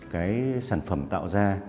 cái sản phẩm tạo ra